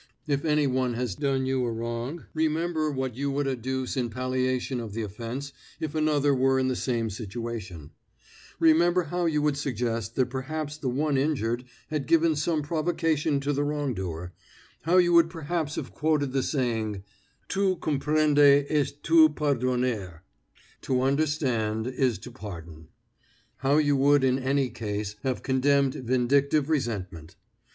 If any one has done you a wrong, remember what you would adduce in palliation of the offence if another were in the same situation; remember how you would suggest that perhaps the one injured had given some provocation to the wrongdoer, how you would perhaps have quoted the saying: "Tout comprendre est tout pardonner" "to understand is to pardon," how you would in any case have condemned vindictive resentment.